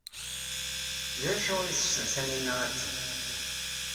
D acu ay tessen Taninna ad teg?